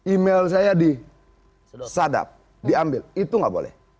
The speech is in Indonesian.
e mail saya di sadab diambil itu gak boleh